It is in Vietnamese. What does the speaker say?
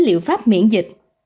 liệu pháp miễn dịch